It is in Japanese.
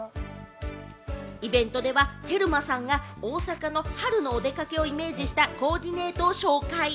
イベントではテルマさんが大阪の春のお出かけをイメージしたコーディネートを紹介。